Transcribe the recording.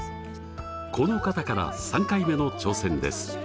この方から３回目の挑戦です。